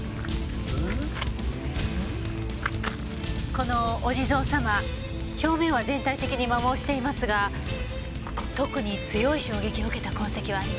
このお地蔵様表面は全体的に磨耗していますが特に強い衝撃を受けた痕跡はありません。